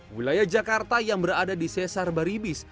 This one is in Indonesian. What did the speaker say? wilayah jakarta yang berada di sesar baribis